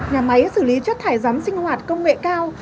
nhà máy xử lý rác thải sinh hoạt công nghệ cao